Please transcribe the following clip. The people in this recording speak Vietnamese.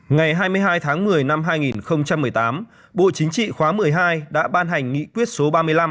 ngày hai mươi hai tháng một mươi năm hai nghìn một mươi tám bộ chính trị khóa một mươi hai đã ban hành nghị quyết số ba mươi năm